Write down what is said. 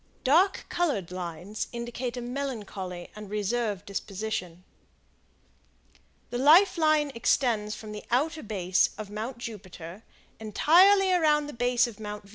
Dark colored lines indicate a melancholy and reserved disposition. The Life Line extends from the outer base of Mount Jupiter, entirely around the base of Mount Venus.